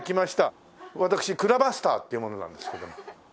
私蔵バスターっていう者なんですけど。